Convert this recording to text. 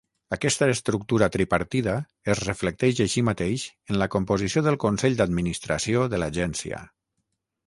Aquesta estructura tripartida es reflecteix així mateix en la composició del consell d'administració de l'Agència.